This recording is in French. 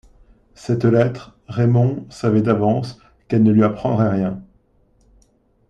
Cette lettre, Raymond savait d'avance qu'elle ne lui apprendrait rien.